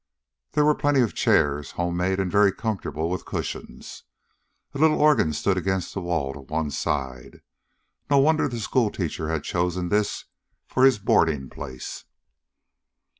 There were plenty of chairs, homemade and very comfortable with cushions. A little organ stood against the wall to one side. No wonder the schoolteacher had chosen this for his boarding place!